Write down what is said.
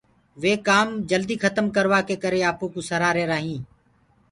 وي ڪآم جلدي کتم ڪروآ ڪي ڪري آپو ڪوُ سرآ رهيرآ هينٚ۔